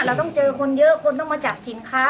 เราต้องเจอคนเยอะคนต้องมาจับสินค้า